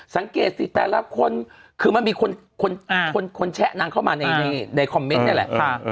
สังเกตสิแต่ละคนคือมันมีคนแชะนางเข้ามาในคอมเมนต์นี่แหละ